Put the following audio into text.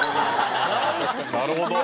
なるほど。